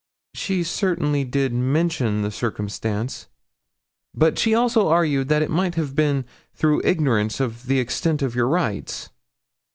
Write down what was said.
'She certainly did mention the circumstance; but she also argued that it might have been through ignorance of the extent of your rights.'